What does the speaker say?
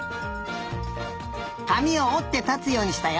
かみをおってたつようにしたよ。